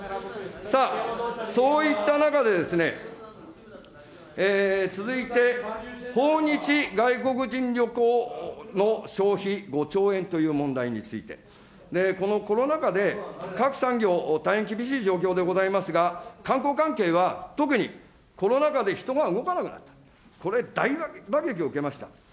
さあ、そういった中で、続いて、訪日外国人旅行の消費５兆円という問題について、このコロナ禍で各産業、大変厳しい状況でございますが、観光関係は特にコロナ禍で人が動かなくなった、これ、大打撃を受けました。